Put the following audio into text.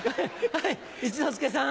はい一之輔さん。